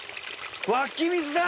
湧き水だ！